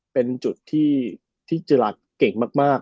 เป็นจุดที่เจอราดเก่งมาก